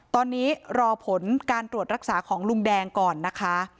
ตอนนี้รอผลการตรวจรักษาของลุงแดงก่อนนะคะ